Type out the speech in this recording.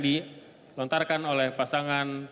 dilontarkan oleh pasangan